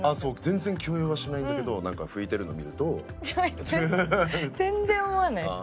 全然強要はしないんだけどなんか拭いてるの見ると。全然思わないです。